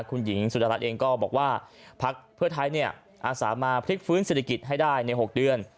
คุณหญิงสุดารัฐเองก็บอกว่าพักเพื่อไทยอาสามาพลิกฟื้นเศรษฐกิจให้ได้ใน๖เดือน